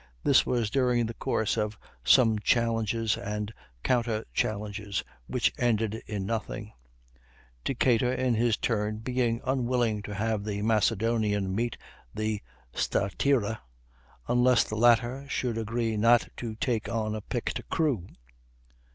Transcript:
This was during the course of some challenges and counter challenges which ended in nothing, Decatur in his turn being unwilling to have the Macedonian meet the Statira, unless the latter should agree not to take on a picked crew.